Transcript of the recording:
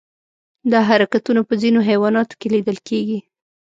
دا حرکتونه په ځینو حیواناتو کې لیدل کېږي.